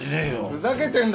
ふざけてんだろ！